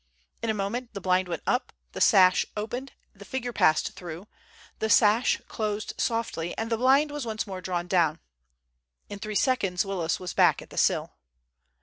In a moment the blind went up, the sash opened, the figure passed through, the sash closed softly, and the blind was once more drawn down. In three seconds Willis was back at the sill.